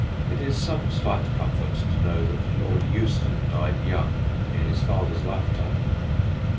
It is some slight comfort to know that Lord Euston died young, in his father's lifetime.